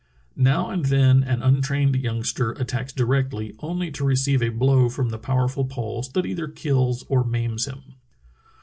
Now and then an untrained youngster attacks directly, only to receive a blow from the power ful paws that either kills or maims him.